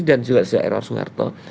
dan juga sejarah soeharto